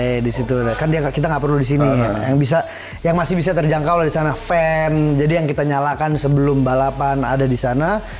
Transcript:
oke disitu kan kita nggak perlu disini ya yang masih bisa terjangkau disana fan jadi yang kita nyalakan sebelum balapan ada disana